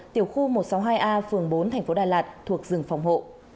tiểu khu một trăm sáu mươi hai a phường bốn thành phố đà lạt thuộc rừng phòng hộ